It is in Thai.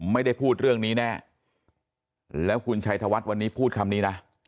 ไม่ได้พูดเรื่องนี้แน่แล้วคุณชัยธวัฒน์วันนี้พูดคำนี้นะ